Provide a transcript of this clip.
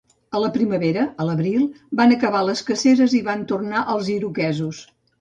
A la primavera, a l'abril, van acabar les caceres i van tornar els iroquesos.